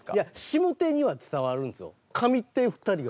下手には伝わるんですよ。